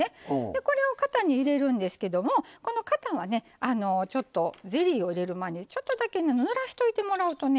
これを型に入れるんですけどもこの型はちょっとゼリーを入れる前にちょっとだけぬらしておいてもらうとね。